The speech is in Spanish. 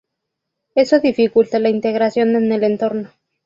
Eso dificulta la integración en el entorno.